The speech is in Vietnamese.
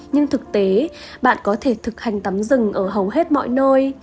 nhưng thực tế bạn có thể thực hành tắm rừng ở hầu hết mọi nơi